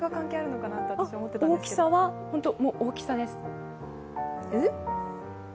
大きさは、本当に大きさです